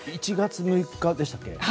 １月６日でしたっけ